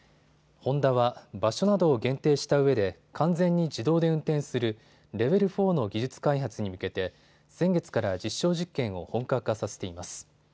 ホンダは場所などを限定したうえで完全に自動で運転するレベル４の技術開発に向けて先月から実証実験を本格化させています。